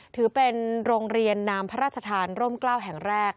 ถือเป็นโรงเรียนนามพระราชทานร่มกล้าวแห่งแรก